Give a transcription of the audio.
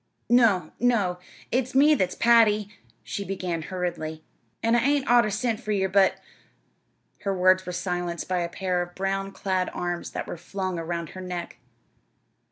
"No, no, it's me that's Patty," she began hurriedly. "An' I hadn't oughter sent fur ye; but" her words were silenced by a pair of brown clad arms that were flung around her neck.